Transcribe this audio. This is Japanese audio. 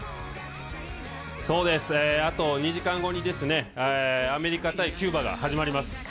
そうです、あと２時間後にアメリカ×キューバが始まります。